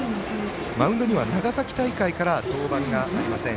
マウンドには長崎大会から登板がありません